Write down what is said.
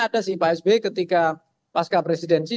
ada sih pak sby ketika pasca presidensi